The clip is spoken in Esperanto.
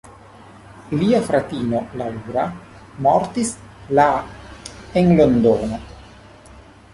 Lia fratino, Laura, mortis la en Londono.